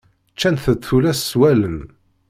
Ččant-t tullas s wallen.